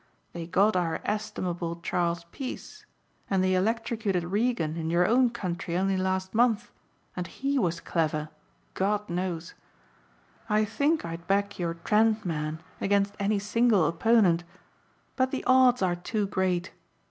They got our estimable Charles Peace and they electrocuted Regan in your own country only last month and he was clever, God knows. I think I'd back your Trent man against any single opponent, but the odds are too great.